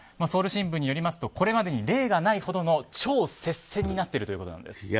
ソウル新聞によりますとこれまでに例がない超接戦になっているということです。